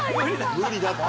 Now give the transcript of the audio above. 無理だって。